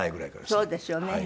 そうですよね。